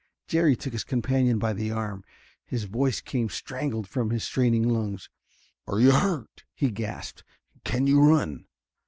Jerry took his companion by the arm. His voice came strangled from his straining lungs. "Are you hurt?" he gasped. "Can you run?"